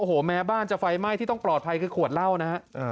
โอ้โหแม้บ้านจะไฟไหม้ที่ต้องปลอดภัยคือขวดเหล้านะฮะ